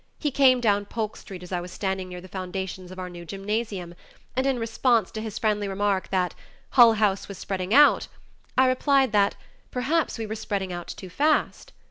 He came down Polk Street as I was standing near the foundations of our new gymnasium, and in response to his friendly remark that "Hull House was spreading out," I replied that "Perhaps we were spreading out too fast."